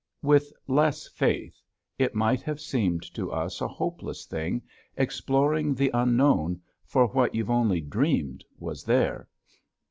With less faith it might have seemed to us a hopeless thing exploring the unknown for what you've only dreamed was there.